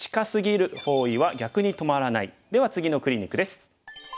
では次のクリニックです。